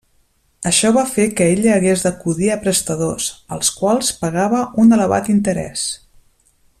Això va fer que ella hagués d'acudir a prestadors, als quals pagava un elevat interès.